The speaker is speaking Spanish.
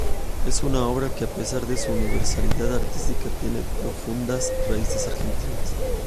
Es una obra que a pesar de su universalidad artística, tiene profundas raíces argentinas.